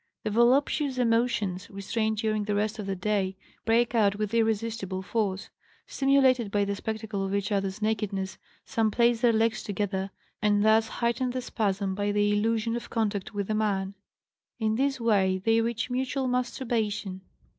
The voluptuous emotions, restrained during the rest of the day, break out with irresistible force; stimulated by the spectacle of each other's nakedness, some place their legs together and thus heighten the spasm by the illusion of contact with a man." In this way they reach mutual masturbation.